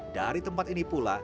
dari tempat ini pula